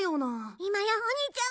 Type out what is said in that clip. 今よお兄ちゃん！